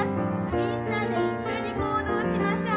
みんなで一緒に行動しましょう。